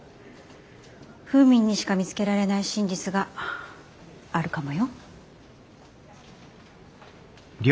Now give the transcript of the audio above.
フーミンにしか見つけられない真実があるかもよ。